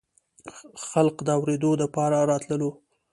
خلق د اورېدو دپاره راتللو